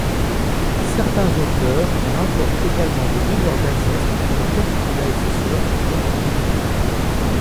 Certains auteurs rapportent également des rumeurs d’inceste entre Caligula et ses sœurs, dont Livilla.